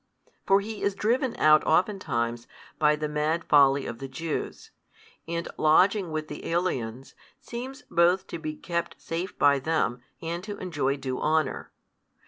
For He is driven out oftentimes by the mad folly of the Jews, and lodging with the aliens, seems both to be kept safe by them, and to enjoy due honour.